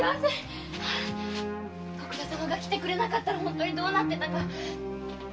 徳田様が来てくれなかったらどうなっていたか。